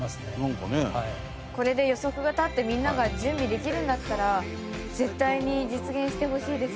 これで予測が立ってみんなが準備できるんだったら絶対に実現してほしいです。